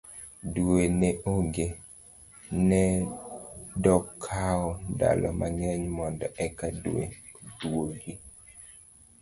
dwe ne onge, nedokawo ndalo mang'eny mondo eka dwe odwogi